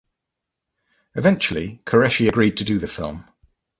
Eventually Qureshi agreed to do the film.